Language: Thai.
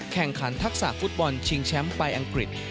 แข่งขันทักษะฟุตบอลชิงแชมป์ไปอังกฤษ